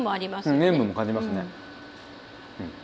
うん塩分も感じますね。